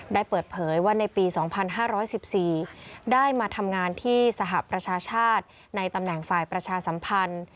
ได้เปิดเผยว่าในปี๒๕๑๔ได้มาทำงานที่สหประชาชาติในตำแหน่งฝ่ายประชาสัมพันธ์